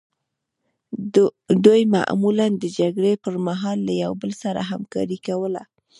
دوی معمولا د جګړې پرمهال له یو بل سره همکاري کوله